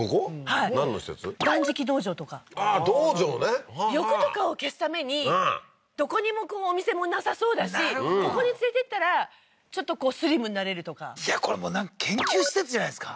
断食道場とかああー道場ね欲とかを消すためにどこにもお店もなさそうだしここに連れていったらちょっとこうスリムになれるとかいやこれもうなんか研究施設じゃないですか？